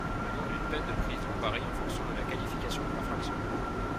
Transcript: Le nom d'une peine de prison varie en fonction de la qualification de l'infraction.